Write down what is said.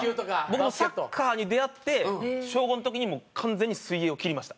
僕もサッカーに出会って小５の時にもう完全に水泳を切りました。